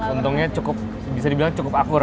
untungnya cukup bisa dibilang cukup akur